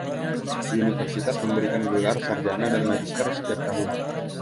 Universitas memberikan gelar sarjana dan magister setiap tahun.